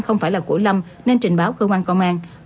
không phải là của lâm nên trình báo cơ quan công an